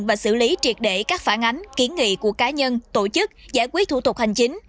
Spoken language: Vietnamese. và xử lý triệt để các phản ánh kiến nghị của cá nhân tổ chức giải quyết thủ tục hành chính